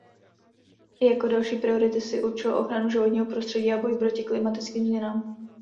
Jako další priority si určilo ochranu životního prostředí a boj proti klimatickým změnám.